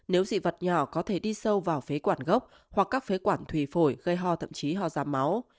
nếu dị vật nhỏ có thể đi sâu vào phế quản gốc hoặc các phế quản thủy phổi gây ho thậm chí ho ra máu